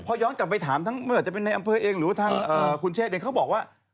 พอย้อนกลับไปถามทั้งไม่ว่าจะเป็นในอำเภอเองหรือว่าทางคุณเชษเองเขาบอกว่า